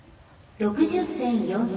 ６０．４３。